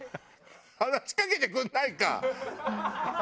話しかけてくれないか！